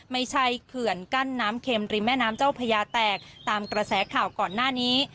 เขื่อนกั้นน้ำเข็มริมแม่น้ำเจ้าพญาแตกตามกระแสข่าวก่อนหน้านี้